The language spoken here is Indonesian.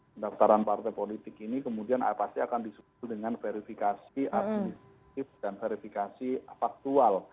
pendaftaran partai politik ini kemudian pasti akan disebut dengan verifikasi administratif dan verifikasi faktual